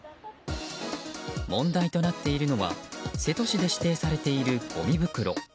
問題となっているのは瀬戸市で指定されているごみ袋。